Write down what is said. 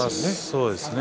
そうですね。